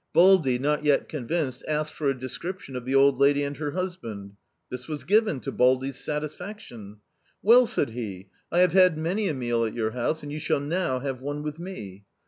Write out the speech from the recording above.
Baldy, not yet convinced, asked for a description of the old lady and her husband. This was given^ to Baldy*s satisfaction. "Well," said he, "I have had many a meal at your house, and you shall now have one with me."